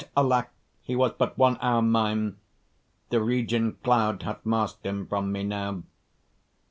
alack! he was but one hour mine, The region cloud hath mask'd him from me now.